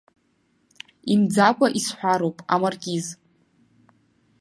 Имӡакәа исҳәароуп, амаркиз.